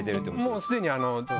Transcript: もうすでに。